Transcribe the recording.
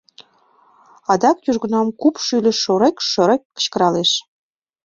Адак южгунам купшӱльӧ шорек-шорек! кычкыралеш.